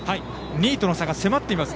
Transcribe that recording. ２位との差が迫っています。